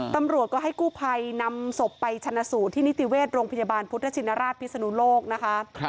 ตำรวจก็ให้กู้ภัยนำศพไปชนะสูตรที่นิติเวชโรงพยาบาลพุทธชินราชพิศนุโลกนะคะ